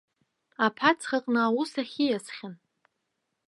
Аԥацхаҟны аус ахь ииасхьан.